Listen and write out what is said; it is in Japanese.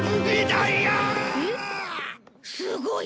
すごい。